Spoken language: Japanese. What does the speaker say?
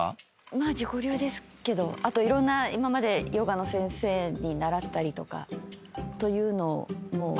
まあ自己流ですけどあといろんな今までヨガの先生に習ったりとかというのも。